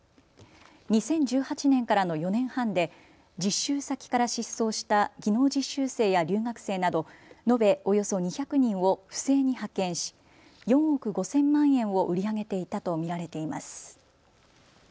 ２０１８年からの４年半で実習先から失踪した技能実習生や留学生など延べおよそ２００人を不正に派遣し４億５０００万円を売り上げていたと見られています。